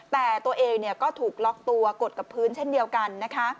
แต่ตัวเองก็ถูกล็อกตัวกดกับพื้นเช่นเดียวกันนะคะ